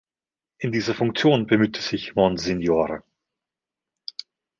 In dieser Funktion bemühte sich Msgr.